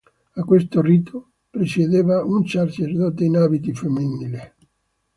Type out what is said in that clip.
A questo rito presiedeva un sacerdote in abiti femminili.